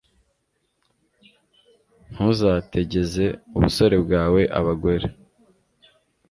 Ntuzategeze ubusore bwawe abagore